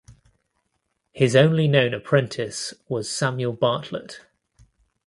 His only known apprentice was Samuel Bartlett.